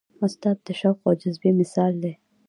استاد د شوق او جذبې مثال دی.